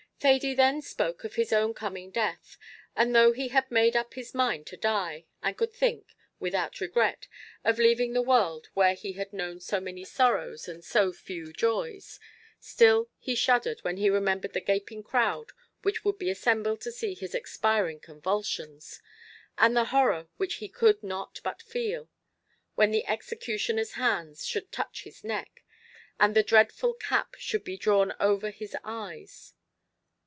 Thady then spoke of his own coming death; and though he had made up his mind to die, and could think, without regret, of leaving the world where he had known so many sorrows and so few joys, still he shuddered when he remembered the gaping crowd which would be assembled to see his expiring convulsions, and the horror which he could not but feel, when the executioner's hands should touch his neck, and the dreadful cap should be drawn over his eyes.